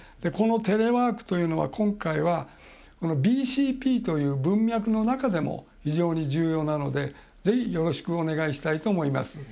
このテレワークというのは今回は、ＢＣＰという文脈の中でも非常に重要なのでぜひ、よろしくお願いしたいと思います。